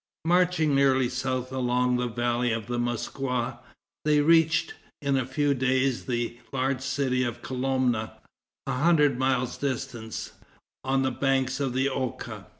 Marching nearly south, along the valley of the Moskwa, they reached, in a few days, the large city of Kolomna, a hundred miles distant, on the banks of the Oka.